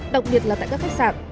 đặc biệt là tại các khách sạn